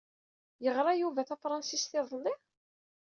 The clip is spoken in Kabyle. Yeɣra Yuba Tafransist iḍelli?